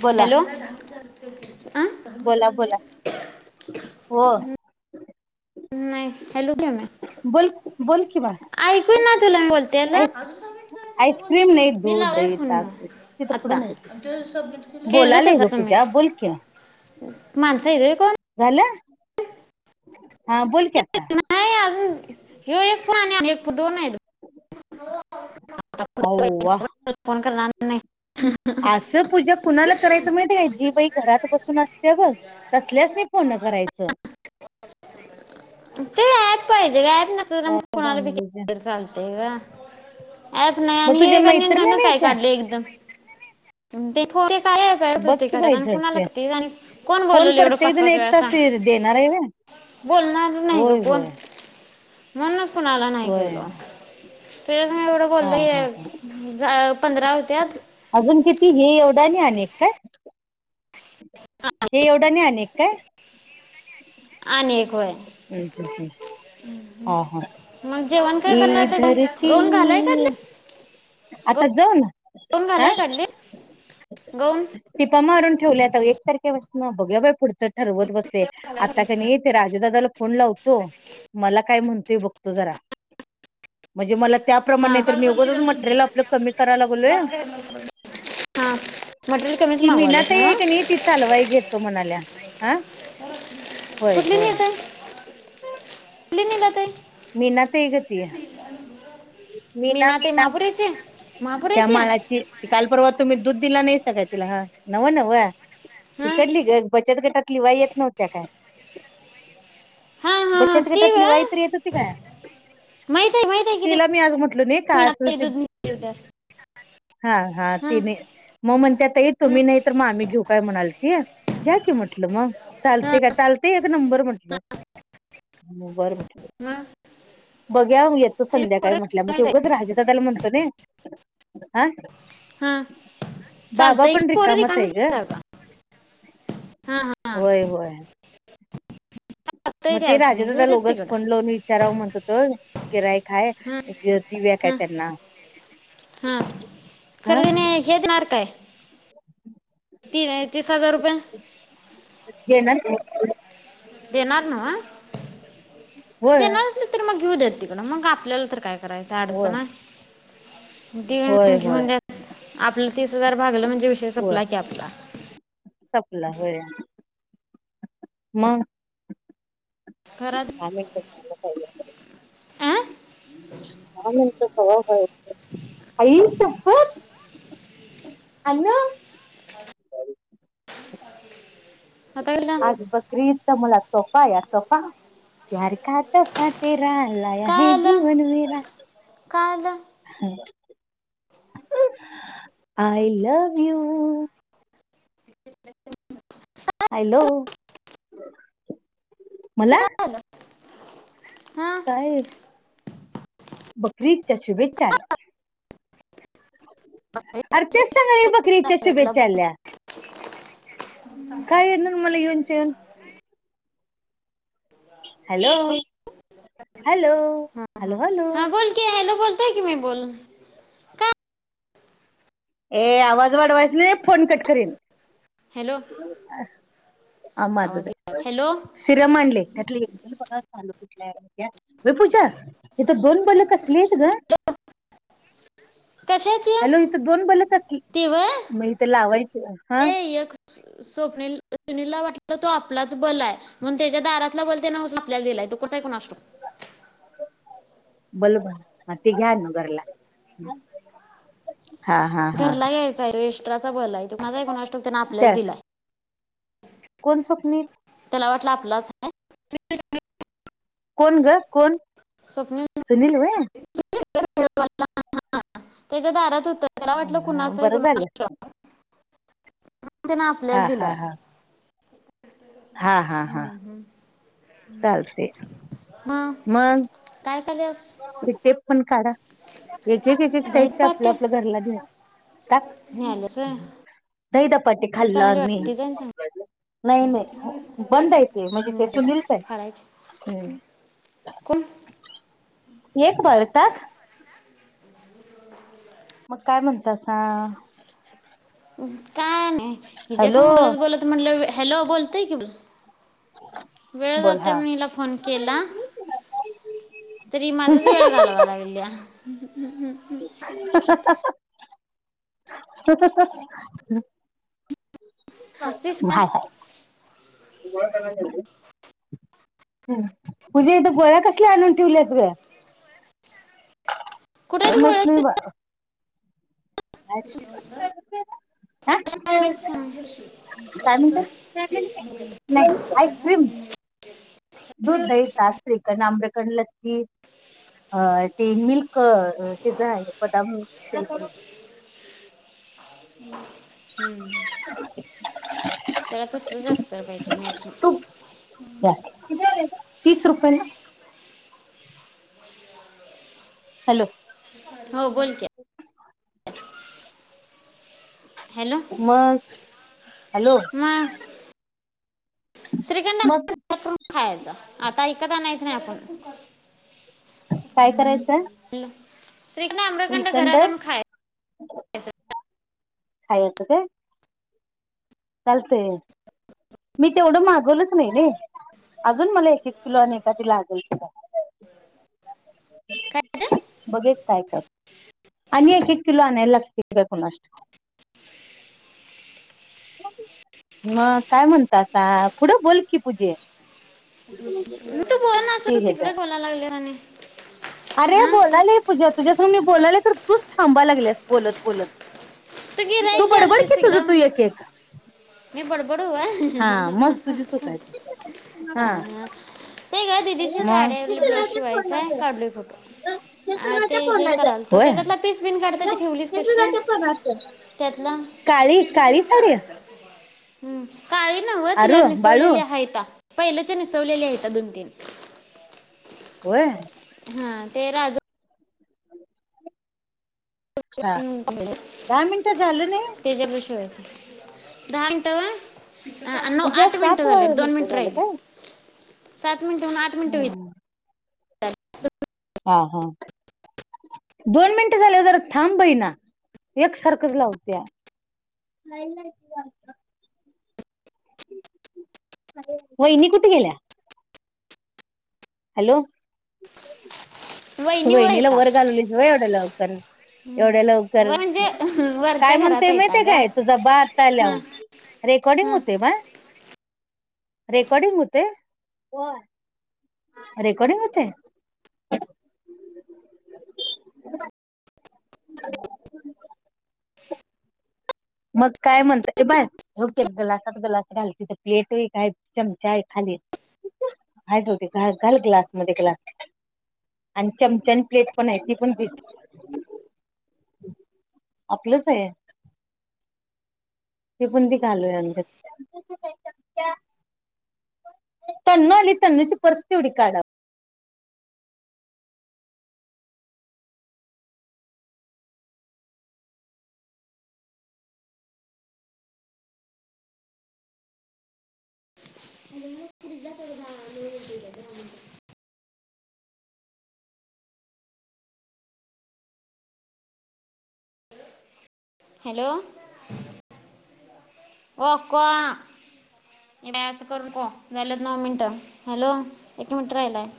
बोला hello hello - बोला बोला हो नाही [unintelligible] बोल बोल कि? बा ऐकू येई ना तुला मी बोलतेल आईस आईस्क्रीम नाही मी दूध लावले दही फोन ताक तिथं पुढं आता मिळते केलो बोलाले ग तसंच मी पूजा बोल की सबमिट माणसं होय कोण? झालं हा बोल कि आता अ हयो एक फोन आणि एक फोन दोन आहे आता हो वा पुढचं फोन करणार नाही. नाही. असं पूजा कुणाला करायचं माहिती का? जी बाई घरात बसून असते बघ तसल्यासनी फोन करायच.? ते पाहिजे काय. कोण नसलं तर कोणाला बी केलं चालते ग ॲप मग तुझ्या नाही का मैत्रिणी नविनच नाही त्या काढली एकदम होय. काय काय बघ की प्रत्येकाात बाई आणि झडते कुणालागते आणि कोण बोलल एवढं प्रत्येक पाच जण पाच एक वेळा तास सांग देणार आहे ना बोलणार नाही ग होय कोण? होय [inaudible] म्हणूनच कुणाला नाही होय गेलो तुझ्या सग एवढं हा बोललं हा हा. कि झा. पंधरा होत्यात. अजून किती हे एवढा आणि एक काय? हे एवढं आणि एक काय? आणि एक होय हम्म हम्म हम्म. हा हा मग जेवण काय ई करणार? धरती गाऊन घालाय काढलीस. आता जाऊ ना गाऊन हा घालाय काढलीस गाऊन प मरून ठेवल्याता एक तारखे पासन बघू बाई पुढच ठरवत बसले आता का नाही ते राजूदादाला फोन लावतो मला काय म्हणतोय बघतो जरा म्हणजे मला हां त्याप्रमाणे तर मी उगचच म्हण मटरेल आपलं कमी करा लागलोय हां मटेरियल कमीच कि मीनात मागवायलास ना ये कि नाही ती चालवाई घेतो म्हणाल्या. आ होय होय. कुठंली मीना ताई? मीना ताई ग ती. मी मीना ना ते मीना महापुराची त्या महापुराची हां मालाची काल परवा तुम्ही दूध. दिला नाही सा का तिला हा नवं नव. तिकडली ग. बचत गटात लिवाई येत नव्हत्या काय हां हां हां बचत ती गटात व लिवाई तर येत होती काय. माहीत आहे माहीत आहे की ती तिला मी आज म्हटल मी काय ना असेल ते दूध नेली होत्या हा हा हां ती म मग म्हणतात त हां तुम्ही नाही तर मग आम्ही घेऊ काय म्हणाल ते द्याकी म्हटलं म हां चालतय का चालतय. नंबर म्हंटलंं बर म्हटल. [unintelligible] बघ. या म येतो तिची संध्याकाळी पोरं म्हटल्या मग. ते माहीत आहे उगच राजू दादाला म्हणतो मी. हा. हां बाबा चालतंय की पण पोरं रिकामाच हाय रिकामीच गं आहेत का हा हा होय होय. चालतंय मग की ते असं राजू नाही घेऊ दादाला देत उगच तिकडं फोन लावून विचाराव म्हणत. त गिराईक काय हां दिव्या काय हां त्यांना हां हा तीन तीस हजार रुपये. देणार की. देणार नव्ह? होय देणार असलं तर मग घेऊदेत. तिकडं मग आपल्याला तर काय. करायच होय आडचन हाय होय देऊन होय घेऊन द्या. आपलं तीस हजार भागलं म्हणजे विषय होय. संपला की आपला. सपला होय मग घरात दहा मिनट झालं काय गं. आ आई शप्पत आनु आता गेला आज बकरी ईद. मला सोपा आया सोपा प्यार का तोफा तेरा लाया काय हे आलं जीवन मेरा. काय आलं? हं. I love you. हॅलो, मला? हां काय? बकरी ईदच्या शुभेच्छा आलं. अर तेच [unintelligible] बकरी ईदच्या शुभेच्या आल्या. [inaudible] काय येणार मला येऊनच्या येऊन? हॅलो, हॅलो हा हॅलो हा हॅलो हा बोल की, हॅलो बोल. तेय की मी बोल काय ए आवाज वाढवायचा नाही हां फोन कट करीन. हॅलो हां माझचं आवाज गेला आहे. हॅलो सिरम आणलय त्यातलं एक [unintelligible] ए पूजा, इथं दोन बले कसली आहेत गं? कशाची हॅलो, इथं दोन बल कसली? ती व्हय मग इथं लावायचयं. हां, स्व - स्वप्नील सुनीलला वाटलं तो आपलाच बलं आहे. म्हणून त्याच्या दारातला बल उचलून त्याने आपल्याला दिलाय. तो कुठे आहे कोणास ठाऊक? बल भर. हां ते घ्या नं घरला. घरला यायचंय हाय व्हय? ट्राचा बल हायत. [unintelligible] त्यानं आपल्याला त्या दिलाय. कोण स्वप्नील? मला वाटलं आपलाचं हाय [inaudible] कोण गं? कोण? स्वप्नील सुनील व्हय? [unintelligible] त्याच्या दारात होत हं हां बरं झालं. म्हणून त्यांनं आपल्याला दिलाय. हां हां हां चालते. मगं, मग काय पल्यास ते टेप पण काढा. एक एक एक एक साईड ते आपलं पाट्या आपलं घरला घ्या. टाक, न्यायलास व्हय. दही धपाटे लय खाल्ल चांगली आज मी. वाटते डिझाईन चांगली नाही नाही, बंद हायत ते म्हणजे, ते नेसायची सुनिलचं आहे. फाडायची हं, कोण एक बळतात [inaudible] मगं काय म्हणतासा? का नाय, हिज्या संग बोलत-बोलत म्हटलं हॅलो बोल त्यय केवढं वेळ बोल जातोय हा म्हणून हिला फोन केला, तर ही माझाचं वेळ घालावा लागलीया. हम्म हम्म. [inaudible] [inaudible] हस्तीस का? पूजी इथं गोळ्या कसल्या आणून ठेवल्यात ग? कुठे तू माहीत नाही बा. काय कशाचा म्हणत नाही आईस्क्रीम [inaudible] दूध, दही, ताक, श्रीखंड, आम्रखंड, लस्सी अ ते मिल्क अ तिच्या आहे बदाम शेक हम्म, त्याला तसलंच असतर मैंचिंग. तूप तीस रुपये न हॅलो हो बोल की मग हॅलो मं श्रीखंड मग [inaudible] करून खायचा. आता विकत आणायचं नाही आपण. काय करायचं हॅलो श्रीखंड, आम्रखंड श्रीखंड घरात आणून खायायच. खायायचा काय? चालतंय मी तेवढं मागवलोच नाही नई, अजून मला एक-एक किलो आणि एकादी लागल सुद्धा. काय रे? बघेत काय करता आणि एक-एक किलो आणायला लागतय काय कुणास ठाव, म काय म्हणतासा पुढं बोल कि पूजे. तू बोलना असं ते तू हेच आहे तिकडेच बोला लागल्या आणि अरे हा बोलायला ये पूजा तुझ्या मी बोलालोय तर तूच थांबा लागल्यास बोलत-बोलत. तू तू गिराईक बडबड द्यालतीस की तुझं तू एक-एक. मी बड बडू होय, चूक आहे हा ते ग दिदीची मग साडीला ब्लाऊज शिवायच आहे, काढलोय फोटो, अ ते हे कराल तो होय तेजातला पीस बीन काढतय ते ठेवलीस कशी? त्यातला काळी काळी साडी हुं. काळी नव्ह आरू तिला बाळू नेसवलेली हाईता. पहिलच्या नसेवलेल्या हाईता दोन तीन. व्हय. हा ते राजू हा दहा मिनिटं झालं नाही. त्याच्या ब्लाऊज शिवायचं दहा मिनट होय. नऊ पूजा आठ मिनिट सात झालेत. दोन मिनिटं मिनिट झालं काय राहिलेत. सात. [unintelligible] मिनट आठ मिनट होईल. हम्म ह ह दोन मिनट झाल्या जरा थांबइन् एक सारखच वागतिया. वहिनी कुठं गेल्या? हॅलो. वहिनी वैनीला एवढ येता वर घालवलीस होय [unintelligible] एवढ्या लवकर व म्हणजे काय वरच्या घरात म्हणते येता ग माहितीये तुझा बाप हा [unintelligible] रेकॉर्डिंग हं होते काय? रेकॉर्डिंग होत व्हाय. रेकॉर्डीिंग होतय. [inaudible] मग काय म्हणत ऐ बाय [unintelligible] तिथं ग्लासत ग्लास घाल प्लेट काय चमचा आहे खाली पॅलेट आहे काय चमचा आहे खाली हा घाल ग्लास मधे त्या आण चमचा आणि प्लेट पण घ्या तिथ प आहे काय चमचा आहे खालीाय टी घा घाल ग्लास मध्ये ग्लास आणि चमच्यानी प्लेट पण आहे ती पण घे आपलंच आहे. [unintelligible] तन्वी आली तन्वीची पर्स तेव्हाडी काढा. [unintelligible] हॅलो. वो को येड्या असं करू नको राहिलेत नऊ मिनिट. हॅलो एक मिनट राहिलाय.